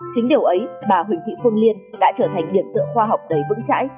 chính điều ấy bà hình thị thương liên đã trở thành điểm tựa khoa học đầy vững chãi